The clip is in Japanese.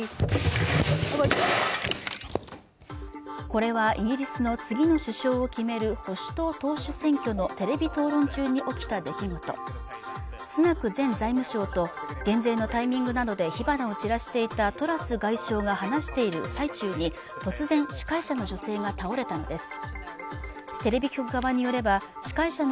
これはイギリスの次の首相を決める保守党党首選挙のテレビ討論中に起きた出来事スナク前財務省と減税のタイミングなどで火花を散らしていたトラス外相が話している最中に突然司会者の女性が倒れたのです